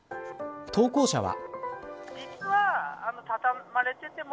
投稿者は。